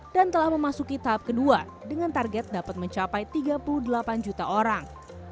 dan telah memasuki tahap kedua dengan target dapat mencapai tiga puluh delapan juta orang